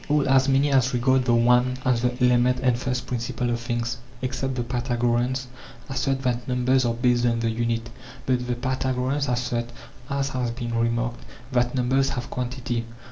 b 381. All, as many as regard the one as the element and first principle of things, except the Pythagoreans, assert that numbers are based on the unit; but the Pythagoreans assert, as has been remarked, that numbers have quantity.